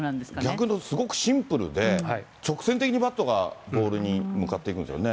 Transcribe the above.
逆にすごくシンプルで、直線的にバットがボールに向かっていくんですよね。